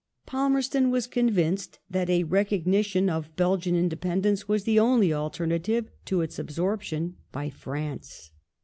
Palmerston was :onvinced that a recognition of Belgian independence was the only alternative to its absorption by France.